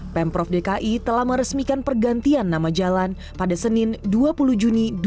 pemprov dki telah meresmikan pergantian nama jalan pada senin dua puluh juni dua ribu dua puluh